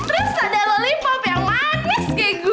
terus ada lollipop yang manis kayak gue